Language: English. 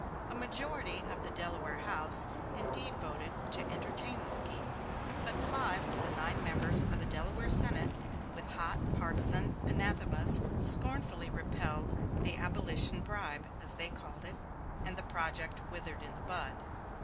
A majority of the Delaware House indeed voted to entertain the scheme. But five of the nine members of the Delaware Senate, with hot partizan anathemas, scornfully repelled the "abolition bribe," as they called it, and the project withered in the bud.